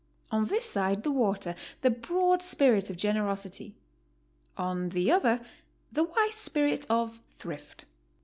On this side the water, the broad spirit of gen erosity; on the other, the wise spirit of thrift.